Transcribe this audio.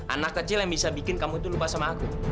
anak kecil yang bisa bikin kamu tuh lupa sama aku